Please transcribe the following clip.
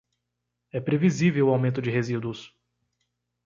É previsível o aumento de resíduos.